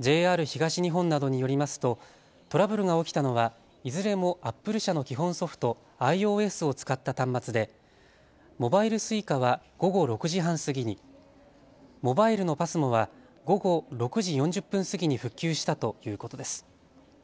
ＪＲ東日本などによりますとトラブルが起きたのはいずれもアップル社の基本ソフト、ｉＯＳを使った端末でモバイルＳｕｉｃａは午後６時半過ぎに、モバイルのＰＡＳＭＯは午後６時４０分過ぎに復旧したということです。